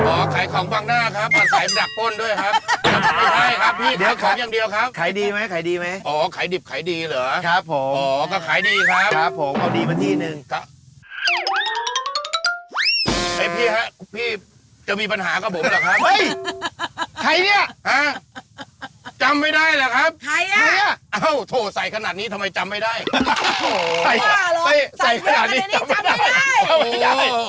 โอ้โหนั่งกันเต็มไปหมดเลย